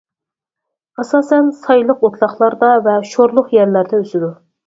ئاساسەن سايلىق ئوتلاقلاردا ۋە شورلۇق يەرلەردە ئۆسىدۇ.